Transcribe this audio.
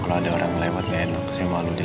kalau ada orang yang lewat gak enak saya malu